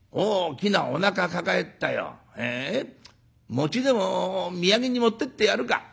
餅でも土産に持ってってやるか」。